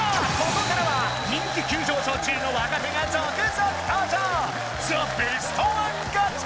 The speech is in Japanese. ここからは人気急上昇中の若手が続々登場！